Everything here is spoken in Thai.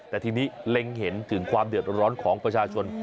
แต่ทีนี้เล็งเห็นถึงความเดือดร้อนของประชาชน